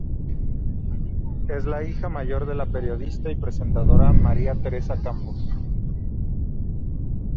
Es la hija mayor de la periodista y presentadora María Teresa Campos.